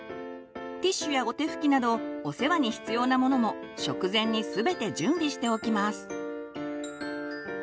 ティッシュやおてふきなどお世話に必要なものも食前に全て準備しておきます。